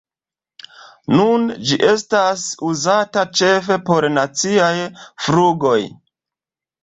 Nun ĝi estas uzata ĉefe por naciaj flugoj.